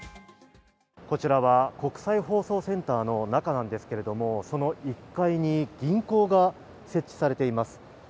こちらは国際放送センターの中なんですが、その１階に銀行が設置されています